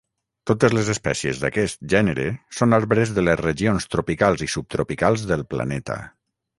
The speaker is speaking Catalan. Totes les espècies d'aquest gènere són arbres de les regions tropicals i subtropicals del planeta.